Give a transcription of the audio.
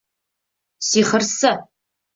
— Сихырсы!